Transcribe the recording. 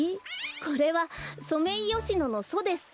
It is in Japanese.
これはソメイヨシノのソです。